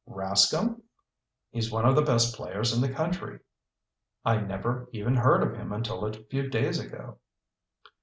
"Rascomb!" "He's one of the best players in the country." "I never even heard of him until a few days ago."